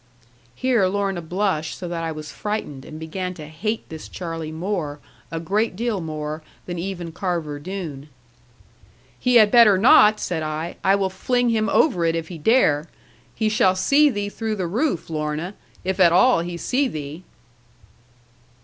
Here Lorna blushed so that I was frightened, and began to hate this Charlie more, a great deal more, than even Carver Doone. 'He had better not,' said I; 'I will fling him over it, if he dare. He shall see thee through the roof, Lorna, if at all he see thee.'